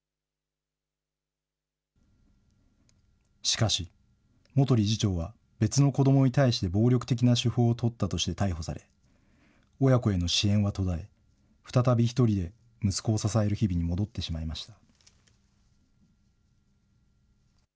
しかし、元理事長は、別の子どもに対して暴力的な手法を取ったとして逮捕され、親子への支援は途絶え、再び１人で息子を支える日々に戻ってしまいました。